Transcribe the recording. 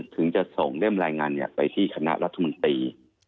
ถึงจะส่งเล่มรายงานไปที่คณะรัฐมนตรี